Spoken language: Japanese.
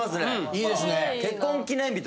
いいですね。